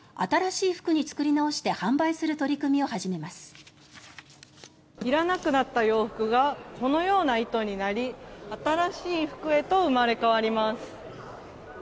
いらなくなった洋服がこのような糸になり新しい服へと生まれ変わります。